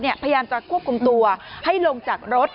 พยายามจะควบคุมตัวให้ลงจากรถ